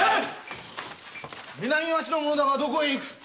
南町の者だがどこに行く？